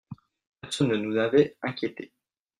Personne ne nous avait inquiétés.